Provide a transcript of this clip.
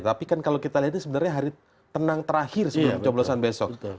tapi kan kalau kita lihat ini sebenarnya hari tenang terakhir sebelum coblosan besok